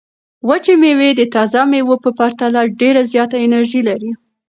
وچې مېوې د تازه مېوو په پرتله ډېره زیاته انرژي لري.